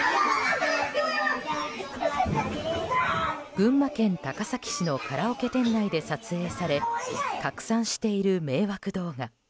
群馬県高崎市のカラオケ店内で撮影され拡散している迷惑動画。